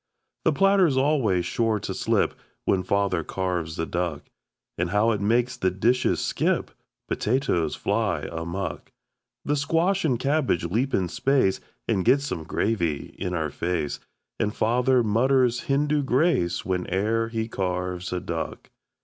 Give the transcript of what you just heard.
The platter's always sure to slip When Father carves a duck. And how it makes the dishes skip! Potatoes fly amuck! The squash and cabbage leap in space We get some gravy in our face And Father mutters Hindu grace Whene'er he carves a duck.